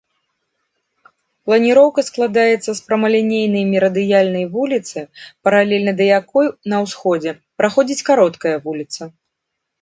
Планіроўка складаецца з прамалінейнай мерыдыянальнай вуліцы, паралельна да якой на ўсходзе праходзіць кароткая вуліца.